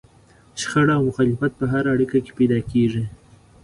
شخړه او مخالفت په هره اړيکه کې پيدا کېږي.